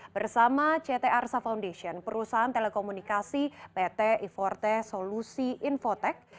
bersama ct arsa foundation perusahaan telekomunikasi pt iforte solusi infotek